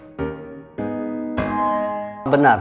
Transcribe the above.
mendingan lo langsung samperin dia deh